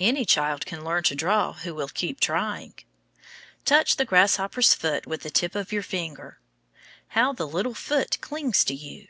Any child can learn to draw who will keep trying. Touch the grasshopper's foot with the tip of your finger. How the little foot clings to you!